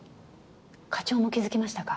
課長も気づきましたか？